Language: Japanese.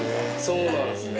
そうなんですね。